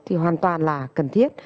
thì hoàn toàn là cần thiết